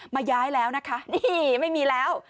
มาย้ายแล้วนะคะนี่ไม่มีแล้ว